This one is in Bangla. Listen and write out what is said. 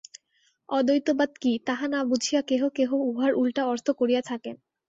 অদ্বৈতবাদ কি, তাহা না বুঝিয়া কেহ কেহ উহার উল্টা অর্থ করিয়া থাকেন।